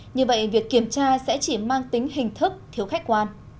như vậy việc kiểm tra sẽ chỉ mang tính hình thức thiếu khách quan